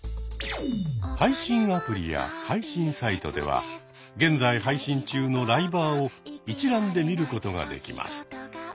配信アプリや配信サイトでは現在配信中のライバーを一覧で見ることができます。